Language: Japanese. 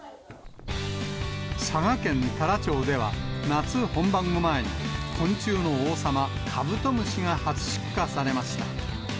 佐賀県太良町では夏本番を前に、昆虫の王様、カブトムシが初出荷されました。